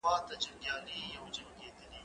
کېدای سي کتابونه دروند وي!.